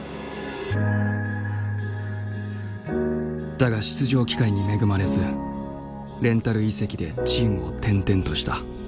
だが出場機会に恵まれずレンタル移籍でチームを転々とした。